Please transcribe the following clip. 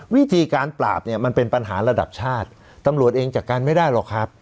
วิธีการปราบเนี่ยมันเป็นปัญหาระดับชาติตำรวจเองจัดการไม่ได้หรอกครับ